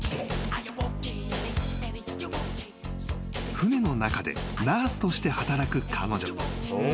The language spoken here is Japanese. ［船の中でナースとして働く彼女］